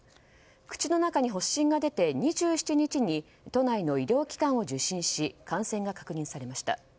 口の中に発疹が出て２７日に都内の医療機関を受診し感染が確認されました。